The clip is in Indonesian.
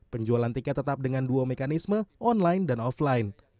penjualan tiket tetap dengan dua mekanisme online dan offline